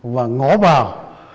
và ngó vào